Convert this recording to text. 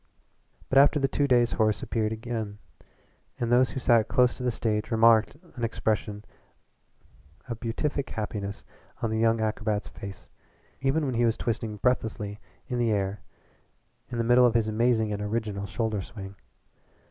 But after the two days Horace appeared again, and those who sat close to the stage remarked an expression of beatific happiness on that young acrobat's face even when he was twisting breathlessly in the air an the middle of his amazing and original shoulder swing.